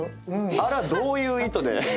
あれはどういう意図で？